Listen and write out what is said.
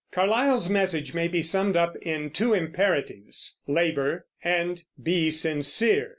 Carlyle's message may be summed up in two imperatives, labor, and be sincere.